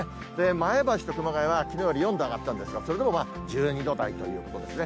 前橋と熊谷はきのうよりも４度上がったんですが、１２度台ということですね。